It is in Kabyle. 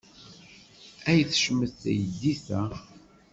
Ay tecmet teydit-a!